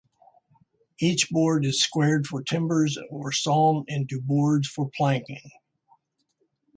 Each board is squared for timbers or sawn into boards for planking.